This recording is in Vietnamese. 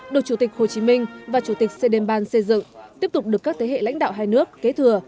được chủ tịch hồ chí minh và chủ tịch sê đêm ban xây dựng tiếp tục được các thế hệ lãnh đạo hai nước kế thừa